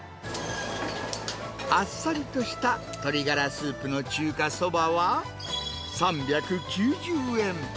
あっさりとした鶏がらスープの中華そばは、３９０円。